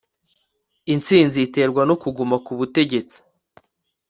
intsinzi iterwa no kuguma ku butegetsi